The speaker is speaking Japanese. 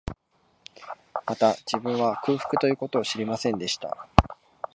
また、自分は、空腹という事を知りませんでした